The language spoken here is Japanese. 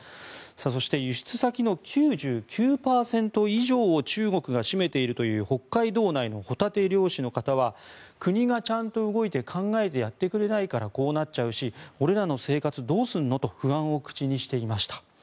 そして輸出先の９９％以上を中国が占めているという北海道内のホタテ漁師の方は国がちゃんと動いて考えてやってくれないからこうなっちゃうし、俺らの生活どうすんのと不安を口にしていました。